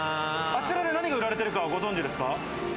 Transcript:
あちらで何が売られているかご存知ですか？